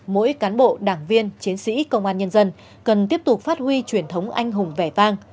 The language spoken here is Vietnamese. mỗi cán bộ đảng viên chiến sĩ công an nhân dân cần tiếp tục phát huy truyền thống anh hùng vẻ vang